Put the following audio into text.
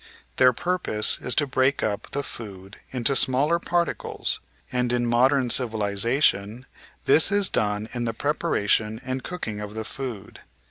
Their purpose is to break up the food into smaller par ticles, and in modern civilisation this is done in the preparation and cooking of the food.